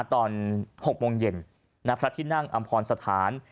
ตอน๖โมงเย็นณพระที่นั่งอำพรสถาน